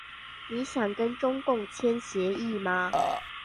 你想跟中共簽協議嗎？